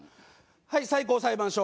はい最高裁判所。